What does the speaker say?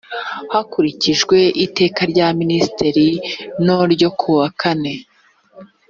hashingiwe iteka rya minisitiri no ryo kuwa kane